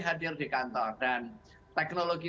hadir di kantor dan teknologi